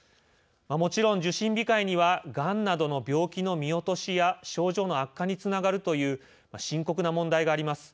もちろん受診控えにはがんなどの病気の見落としや症状の悪化につながるという深刻な問題があります。